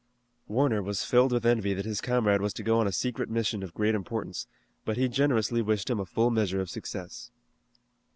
Warner was filled with envy that his comrade was to go on a secret mission of great importance, but he generously wished him a full measure of success.